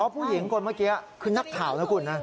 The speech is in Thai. ผู้หญิงคนเมื่อกี้คือนักข่าวนะคุณนะ